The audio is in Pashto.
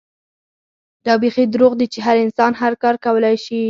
دا بيخي دروغ دي چې هر انسان هر کار کولے شي